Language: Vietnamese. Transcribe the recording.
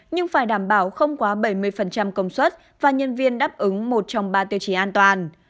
nhưng phải đảm bảo không quá bảy mươi công suất và nhân viên đáp ứng một trong ba tiêu chí an toàn